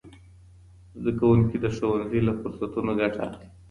زدهکوونکي د ښوونځي له فرصتونو ګټه اخلي.